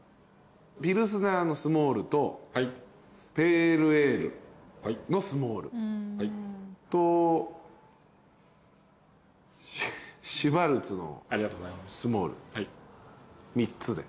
ピルスナーのスモールとペールエールのスモールとシュバルツのスモール３つで。